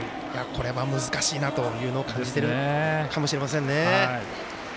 これは難しいなというのを感じてるかもしれませんね。